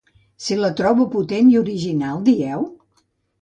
-Si la trobo potent i original, dieu?